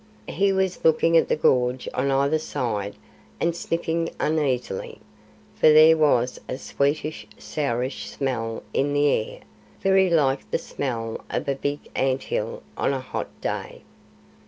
He was looking at the gorge on either side and sniffing uneasily, for there was a sweetish sourish smell in the air, very like the smell of a big ant hill on a hot day.